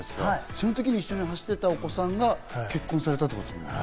その時一緒に走っていたお子さんが結婚されたってことですね。